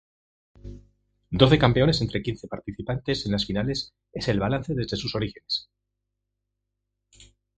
Doce campeones entre quince participantes en las finales es el balance desde sus orígenes.